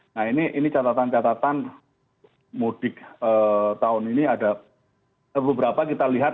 nah ini catatan catatan mudik tahun ini ada beberapa kita lihat